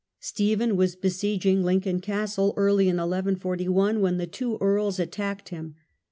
Stephen was besieging Lincoln Castle early in 11 41 when the two earls attacked him.